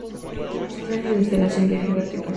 Se trata de una instalación de eje vertical.